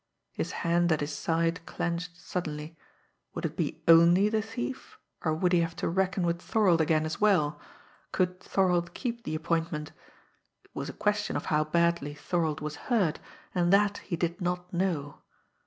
His hand at his side clenched suddenly. Would it be only the thief, or would he have to reckon with Thorold again as well? Could Thorold keep the appointment? It was a question of how badly Thorold was hurt, and that he did not know.